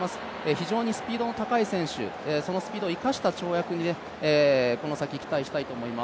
非常にスピードの速い選手、そのスピードを生かした跳躍にこの先、期待したいと思います。